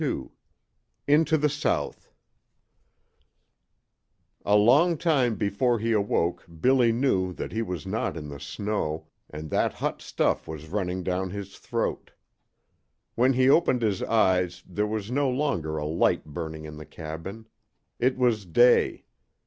XXII INTO THE SOUTH A long time before he awoke Billy knew that he was not in the snow, and that hot stuff was running down his throat. When he opened his eyes there was no longer a light burning in the cabin. It was day.